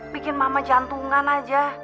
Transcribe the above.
bikin mama jantungan aja